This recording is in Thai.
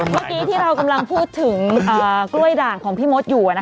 เมื่อกี้ที่เรากำลังพูดถึงกล้วยด่างของพี่มดอยู่